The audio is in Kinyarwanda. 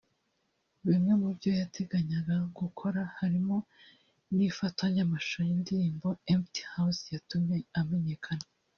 Bimwe mubyo yateganyaga gukora harimo n’ifatwa ry’amashusho y’indirimbo’ Empty House’yatumye amenyekana